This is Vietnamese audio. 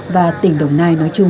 và tỉnh đồng nai nói chung